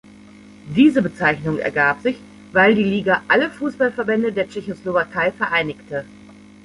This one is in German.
Diese Bezeichnung ergab sich, weil die Liga alle Fußballverbände der Tschechoslowakei vereinigte.